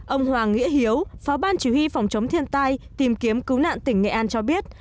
ông hoàng nghĩa hiếu phó ban chỉ huy phòng chống thiên tai tìm kiếm cứu nạn tỉnh nghệ an cho biết